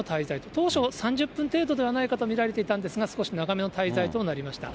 当初、３０分程度ではないかと見られていたんですが、少し長めの滞在となりました。